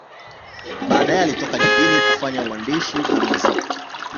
Baadaye alitoka jijini kufanya uandishi na muziki.